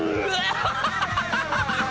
ハハハハハ！